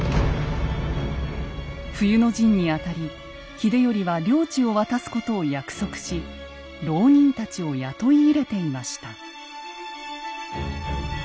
冬の陣にあたり秀頼は領地を渡すことを約束し牢人たちを雇い入れていました。